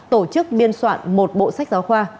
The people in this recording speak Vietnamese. tổ chức biên soạn một bộ sách giáo khoa